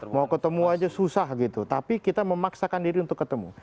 mau ketemu aja susah gitu tapi kita memaksakan diri untuk ketemu